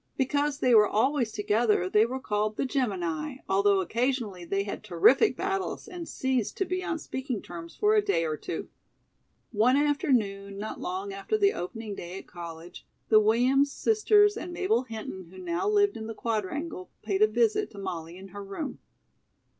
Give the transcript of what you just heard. Because they were always together they were called "the Gemini," although occasionally they had terrific battles and ceased to be on speaking terms for a day or two. One afternoon, not long after the opening day at college, the Williams sisters and Mabel Hinton, who now lived in the Quadrangle, paid a visit to Molly in her room.